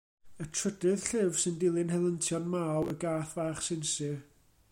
Y trydydd llyfr sy'n dilyn helyntion Maw, y gath fach sinsir.